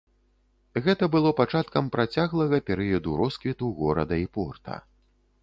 Гэта было пачаткам працяглага перыяду росквіту горада і порта.